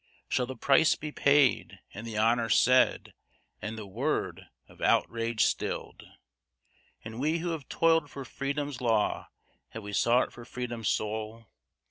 Shall the price be paid and the honor said, and the word of outrage stilled? And we who have toiled for freedom's law, have we sought for freedom's soul?